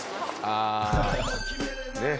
ああねっ。